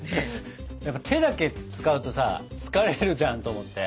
やっぱ手だけ使うとさ疲れるじゃんと思って。